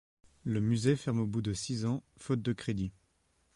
Le musée ferme au bout de six ans, faute de crédits.